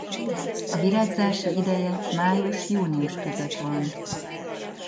A virágzási ideje május-június között van.